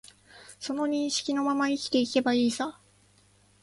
その認識のまま生きていけばいいさ